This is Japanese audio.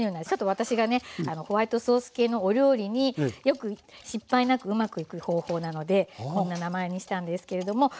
ちょっと私がねホワイトソース系のお料理によく失敗なくうまくいく方法なのでこんな名前にしたんですけれども。